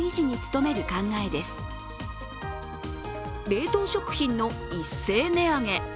冷凍食品の一斉値上げ。